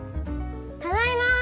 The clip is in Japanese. ただいま！